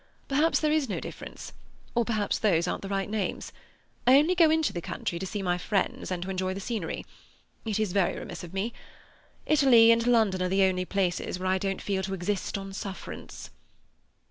Perhaps there is no difference, or perhaps those aren't the right names. I only go into the country to see my friends and to enjoy the scenery. It is very remiss of me. Italy and London are the only places where I don't feel to exist on sufferance."